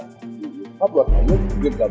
bị pháp luật thống nhất viên tầm